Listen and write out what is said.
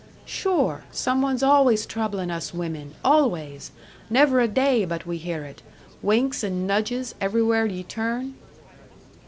"Sure! Some one's always troublin' us women! Always! Never a day but we hear it. Winks and nudges everywhere ye turn."